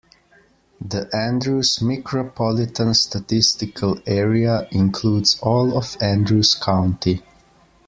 The Andrews Micropolitan Statistical Area includes all of Andrews County.